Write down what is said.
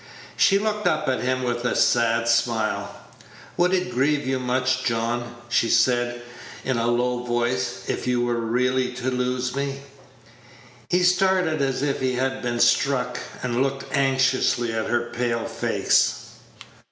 She looked up at him with a sad smile. "Would it grieve you much, John," she said, in a low voice, "if you were really to lose me?" He started as if he had been struck, and looked anxiously at her pale face.